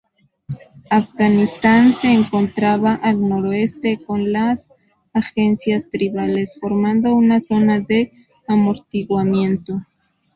Afganistán se encontraba al noroeste, con las agencias tribales formando una zona de amortiguamiento.